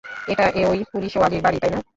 এটা ওই পুলিশওয়ালীর বাড়ি, তাই না?